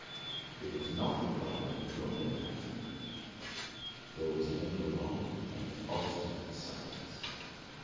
It was not the cry of a drunken man. There was then a long and obstinate silence.